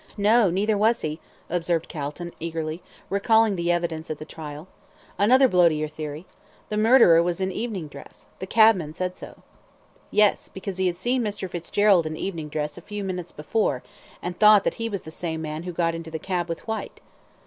"No, neither was he," observed Calton, eagerly, recalling the evidence at the trial. "Another blow to your theory. The murderer was in evening dress the cabman said so." "Yes; because he had seen Mr. Fitzgerald in evening dress a few minutes before, and thought that he was the same man who got into the cab with Whyte."